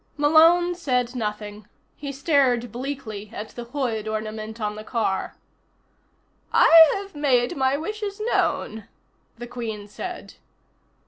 Malone said nothing. He stared bleakly at the hood ornament on the car. "I have made my wishes known," the Queen said.